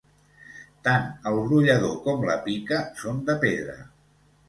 Tant el brollador com la pica són de pedra.